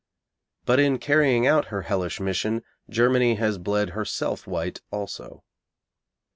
But in carrying out her hellish mission Germany has bled herself white also.